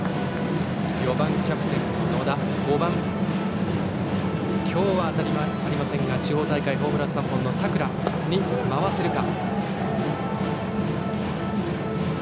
４番、キャプテンの野田５番、今日は当たりがないですが地方大会ホームラン３本の佐倉に回せるか。